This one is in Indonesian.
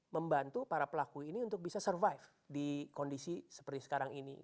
membantu para pelaku ini untuk bisa survive di kondisi seperti sekarang ini